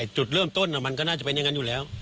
จุดเริ่มต้นมันก็น่าจะเป็นอย่างนั้นอยู่แล้ว